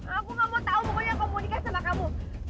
aku gak mau tau pokoknya aku mau nikah sama kamu